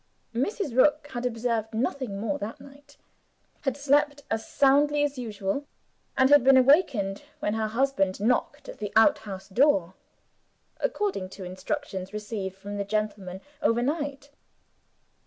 Mrs. Rook had observed nothing more that night; had slept as soundly as usual; and had been awakened when her husband knocked at the outhouse door, according to instructions received from the gentlemen, overnight.